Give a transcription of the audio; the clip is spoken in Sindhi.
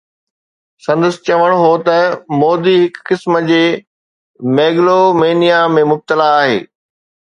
سندس چوڻ هو ته مودي هڪ قسم جي ميگلومينيا ۾ مبتلا آهي.